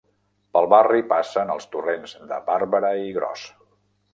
Pel barri passen els torrents de Bàrbara i Gros.